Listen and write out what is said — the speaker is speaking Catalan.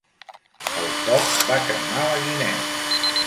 El foc va cremar la guineu.